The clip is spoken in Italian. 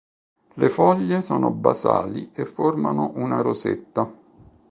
Le foglie sono basali e formano una rosetta.